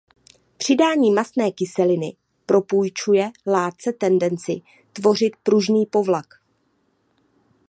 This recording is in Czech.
Přidání mastné kyseliny propůjčuje látce tendenci tvořit pružný povlak.